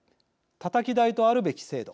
たたき台と、あるべき制度。